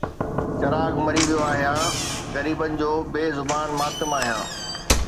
چراغ مري ويو آهيان، غريبن جو بي زبان ماتم آهيان